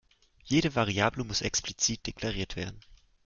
Jede Variable muss explizit deklariert werden.